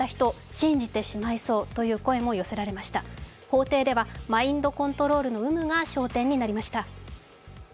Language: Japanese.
法廷ではマインドコントロールの有無が焦点になりました。